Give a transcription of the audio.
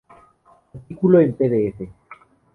Artículo en pdf